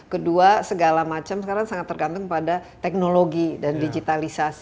kedua segala macam sekarang sangat tergantung pada teknologi dan digitalisasi